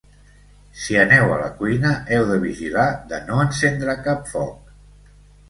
Si aneu a la cuina, heu de vigilar de no encendre cap foc.